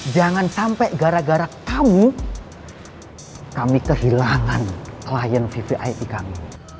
jangan sampai gara gara kamu kami kehilangan klien vvip kami